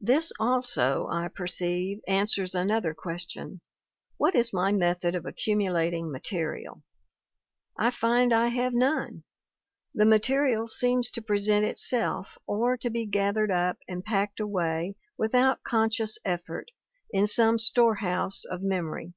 "This also, I perceive, answers another question: what is my method of accumulating material? I find I have none. The material seems to present itself or to be gathered up and packed away without conscious effort in some store house of memory.